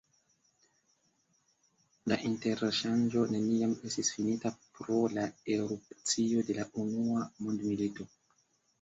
La interŝanĝo neniam estis finita pro la erupcio de la unua mondmilito.